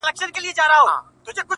دعوه د سړیتوب دي لا مشروطه بولم ځکه,